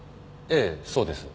ええそうです。